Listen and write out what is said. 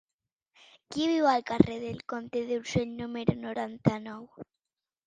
Qui viu al carrer del Comte d'Urgell número noranta-nou?